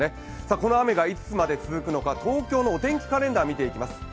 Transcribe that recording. この雨がいつまで続くのか東京のお天気カレンダー見ていきます。